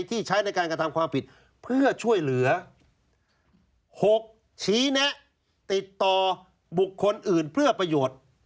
ใช้ในการกระทำความผิดเพื่อช่วยเหลือ๖ชี้แนะติดต่อบุคคลอื่นเพื่อประโยชน์